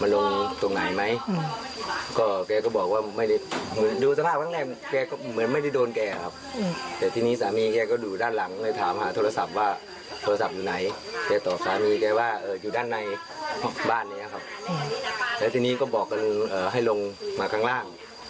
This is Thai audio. แล้วทีนี้ก็บอกกันให้ลงมาข้างล่าง